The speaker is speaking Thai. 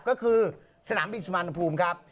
ก็คือสนามบินสุวรรณภูมิครับ